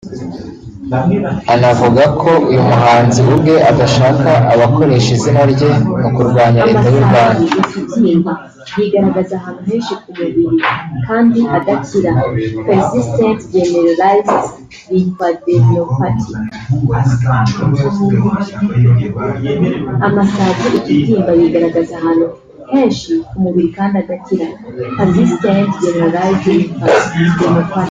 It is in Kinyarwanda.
Anavuga ko uyu muhanzi ubwe adashaka abakoresha izina rye mu kurwanya Leta y’u Rwanda